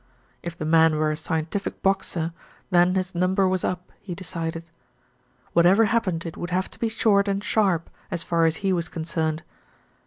If the man were a scientific boxer, then his number was up, he decided. Whatever happened it would have to be short and sharp, as far as he was concerned.